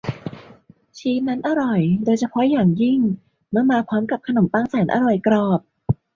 ชีสนั้นอร่อยโดยเฉพาะอย่างยิ่งเมื่อมาพร้อมกับขนมปังแสนอร่อยกรอบ